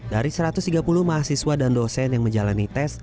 dari satu ratus tiga puluh mahasiswa dan dosen yang menjalani tes